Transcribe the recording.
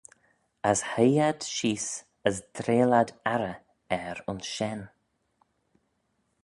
As hoie ad sheese as dreill ad arrey er ayns shen.